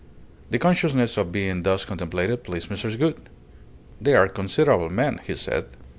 The consciousness of being thus contemplated pleased Mrs. Gould. "They are considerable men," he said.